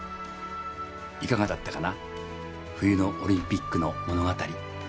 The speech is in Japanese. いかがだったかな冬のオリンピックの物語。